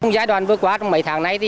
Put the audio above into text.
giai đoạn vừa qua trong mấy tháng nay